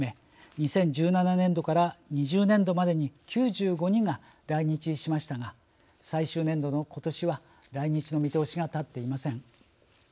２０１７年度から２０年度までに９５人が来日しましたが最終年度のことしは来日の見通しが立っていません。